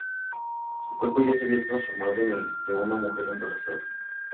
Su cuerpo ya se había transformado en el de una mujer embarazada.